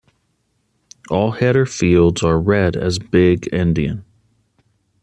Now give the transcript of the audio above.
All header fields are read as big-endian.